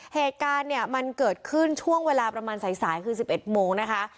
เหตุการณ์เนี่ยมันเกิดขึ้นช่วงเวลาประมาณสายคือ๑๑โมงนะคะ